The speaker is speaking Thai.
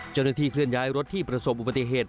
เจ้าหน้าที่เคลื่อนย้ายรถที่ประสบอุปัติเหตุ